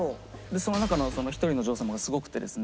その中の１人の女王様がすごくてですね